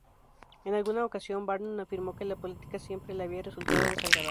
En alguna ocasión, Barnum afirmó que "la política siempre le había resultado desagradable".